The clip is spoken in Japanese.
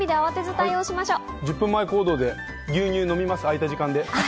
１０分前行動で牛乳飲みます、空いた時間で。